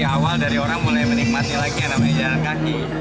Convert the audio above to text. awal dari orang mulai menikmati lagi yang namanya jalan kaki